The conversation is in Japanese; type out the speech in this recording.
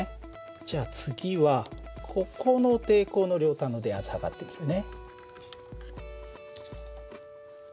じゃあ次はここの抵抗の両端の電圧測ってみるね。